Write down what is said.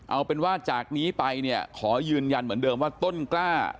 เอาเป็นว่าจากนี้ไปเนี่ยขอยืนยันเหมือนเดิมว่าต้นกล้า